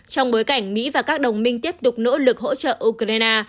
trong bối cảnh mỹ và các đồng minh tiếp tục nỗ lực hỗ trợ ukraine